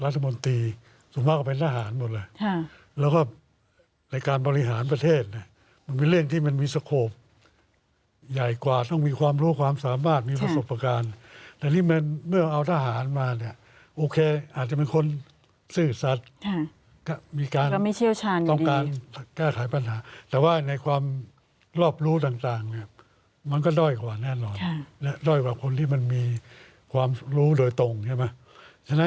สุขภาพก็เป็นทหารหมดเลยแล้วก็ในการบริหารประเทศเนี่ยมันเป็นเรื่องที่มันมีสโคปใหญ่กว่าต้องมีความรู้ความสามารถมีประสบการณ์แต่นี่มันเมื่อเอาทหารมาเนี่ยโอเคอาจจะเป็นคนซื่อสัตว์ก็มีการต้องการแก้ไขปัญหาแต่ว่าในความรอบรู้ต่างเนี่ยมันก็ด้อยกว่าแน่นอนด้อยกว่าคนที่มันมีความรู้โดยตรงใช่ไหม